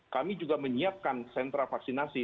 kami juga menyiapkan sentra vaksinasi